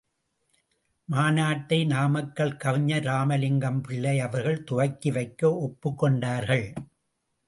மாநாட்டை நாமக்கல் கவிஞர் இராமலிங்கம்பிள்ளை அவர்கள் துவக்கி வைக்க ஒப்புக்கொண்டார்கள்.